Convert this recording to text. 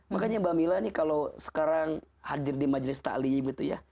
makanya mbak mila nih kalau sekarang hadir di majlis ta'lim gitu ya